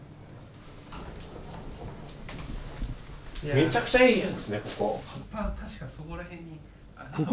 めちゃくちゃいい部屋ですね、ここ。